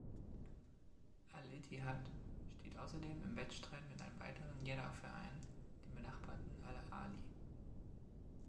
Al-Ittihad steht außerdem im Wettstreit mit einem weiteren Jeddah-Verein, dem benachbarten Al-Ahli.